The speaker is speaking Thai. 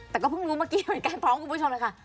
แต่ก็เพิ่งรู้เมื่อกี้เหมือนกันพร้อมคุณผู้ชมเลยค่ะ